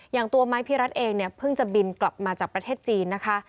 อย่างตัวไม้พิรัตน์เองเนี่ยเพิ่งจะบินกลับมาจากประเทศจีนนะคะ